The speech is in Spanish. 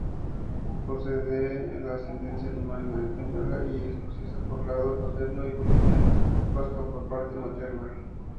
Posee ascendencia alemana, española y escocesa por lado paterno y boliviano-vasca por parte materna.